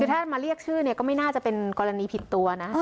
คือถ้ามาเรียกชื่อเนี่ยก็ไม่น่าจะเป็นกรณีผิดตัวนะ